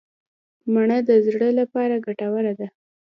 مڼه د زړه لپاره ګټوره ده.